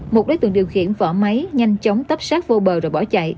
một đối tượng điều khiển vỏ máy nhanh chóng tấp sát vô bờ rồi bỏ chạy